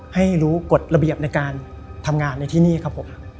ให้รู้กฎระเบียบในการทำงานในที่นี่ครับผม